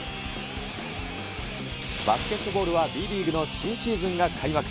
バスケットボールはＢリーグの新シーズンが開幕。